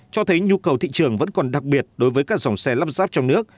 cho thấy nhu cầu thị trường vẫn còn đặc biệt đối với các dòng xe lắp ráp trong nước